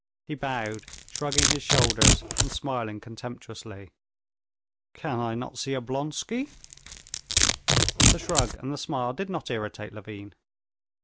He bowed, shrugging his shoulders, and smiling contemptuously. "Can I not see Oblonsky?" The shrug and the smile did not irritate Levin.